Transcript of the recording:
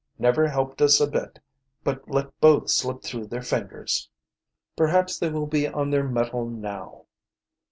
Never helped us a bit, but let both slip through their fingers." "Perhaps they will be on their mettle now."